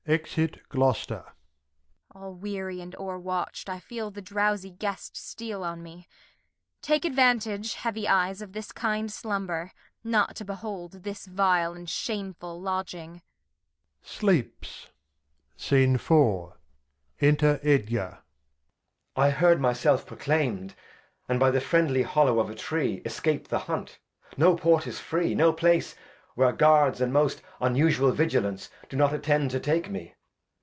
[Exit Gloster. Act ii] King Lear 199 All weary, and o'er watcht, I feel the drowzy Guest steal on me ; take Advantage heavy Eyes on this kind Slumber, Not to behold this vile and shamefull Lodging. [Sleeps. Enter Edgar. Edg. I heard myself proclaim'd, And by the friendly Hollow of a Tree, ' Escape the Hunt, no Port is free, no Place Where Guards and most unusual Vigilance Do not attend to take me.